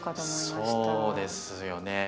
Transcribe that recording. そうですよね。